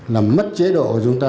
làm mất chế độ của chúng ta